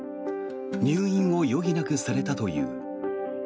入院を余儀なくされたという。